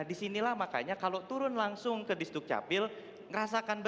nah disinilah makanya kalau turun langsung ke distuk capil ngerasakan betul apa yang dihadapi suka duka petugasnya